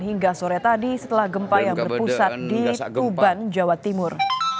hingga sore tadi setelah gempa yang berpusat di tuban jawa timur